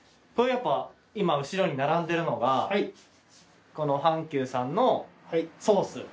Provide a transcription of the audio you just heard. これやっぱ今後ろに並んでるのがこの半久さんのソース？